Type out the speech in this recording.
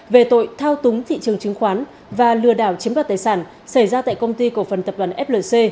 về tội thao túng thị trường chứng khoán và lừa đảo chiếm đoạt tài sản xảy ra tại công ty cổ phần tập đoàn flc